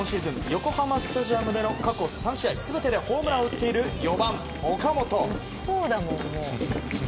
横浜スタジアムでの過去３試合全てでホームランを打っている４番、岡本。